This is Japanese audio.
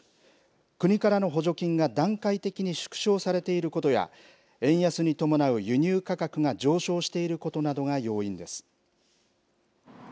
国からの補助金が段階的に縮小されていることや、円安に伴う輸入価格が上昇していることなどが要因です。